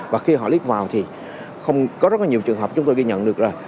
và khi họ lít vào thì không có rất nhiều trường hợp chúng tôi ghi nhận được rồi